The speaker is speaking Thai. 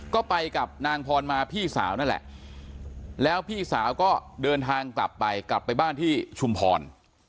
ก็ไปกับนางพรมาพี่สาวนั่นแหละแล้วพี่สาวก็เดินทางกลับไปกลับไปบ้านที่ชุมพร